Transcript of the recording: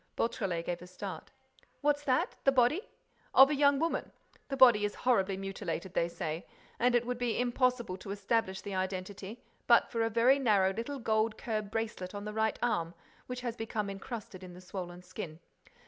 Beautrelet gave a start: "What's that? The body—" "Of a young woman.—The body is horribly mutilated, they say, and it would be impossible to establish the identity, but for a very narrow little gold curb bracelet on the right arm which has become encrusted in the swollen skin.